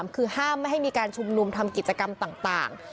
คือห้ามไม่ให้มีการชุมนุมทำกิจกรรมต่าง